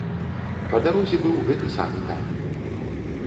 Па дарозе быў гэты самы камень.